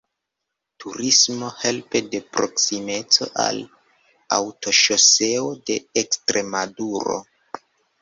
Turismo, helpe de proksimeco al Aŭtoŝoseo de Ekstremaduro.